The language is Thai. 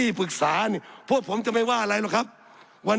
สับขาหลอกกันไปสับขาหลอกกันไป